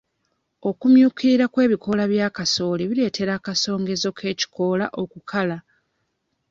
Okumyukirira kw'ebikoola bya kasooli kireetera akasongezo k'ekikoola okukala.